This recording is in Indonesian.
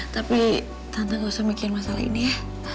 tapi tante nggak usah mikirin masalah ini ya